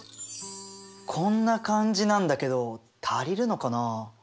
こんな感じなんだけど足りるのかなあ？